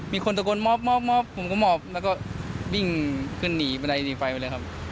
มีคนตะโกนมอบผมก็มอบแล้วก็วิ่งขึ้นหนีบันไดหนีไฟไปเลยครับ